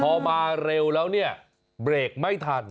พอมาเร็วแล้วเนี่ยเบรกไม่ทัน